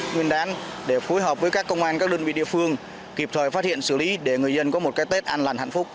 nguyên đán để phối hợp với các công an các đơn vị địa phương kịp thời phát hiện xử lý để người dân có một cái tết an lành hạnh phúc